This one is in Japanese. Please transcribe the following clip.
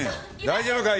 大丈夫か？